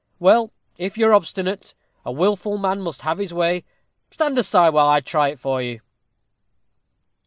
"Well, if you are obstinate, a wilful man must have his way. Stand aside, while I try it for you."